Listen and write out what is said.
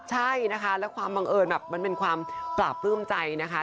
ใช่นะคะและความบังเอิญแบบมันเป็นความปราบปลื้มใจนะคะ